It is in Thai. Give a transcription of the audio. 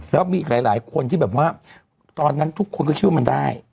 แล้วมีอีกหลายคนที่แบบว่าตอนนั้นทุกคนก็คิดว่ามันได้